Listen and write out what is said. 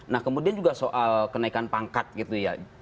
nah kemudian juga soal kenaikan pangkat gitu ya